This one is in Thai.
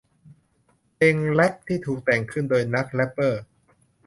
เพลงแร็ปที่ถูกแต่งขึ้นโดยนักแร็ปเปอร์